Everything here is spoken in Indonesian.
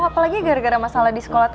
apalagi gara gara masalah di sekolah